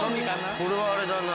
これはあれだな。